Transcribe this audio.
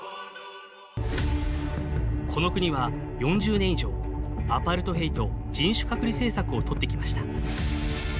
この国は、４０年以上アパルトヘイト＝人種隔離政策を取ってきました。